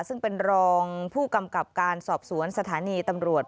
ซึ่งเป็นรองผู้กำกับการสอบสวนสถานีตำรวจ